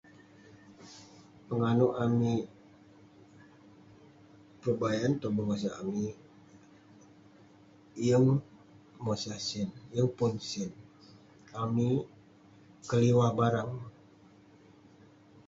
penganouk amik pebayan tong bengosak amik, yeng mosah sen, yeng pun sen, amik...keliwah barang